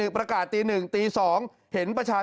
เพลินเล่นเหรอ